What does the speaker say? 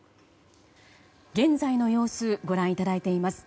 現在の様子ご覧いただいています。